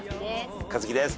和樹です。